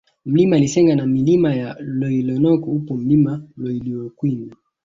Mlima Lisenga na Milima ya Loilenok upo pia Mlima Loiwilokwin